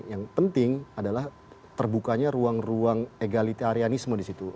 yang penting adalah terbukanya ruang ruang egalitarianisme di situ